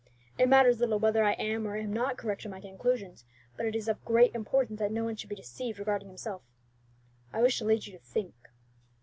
"It matters little whether I am or am not correct in my conclusions; but it is of great importance that no one should be deceived regarding himself. I wish to lead you to think."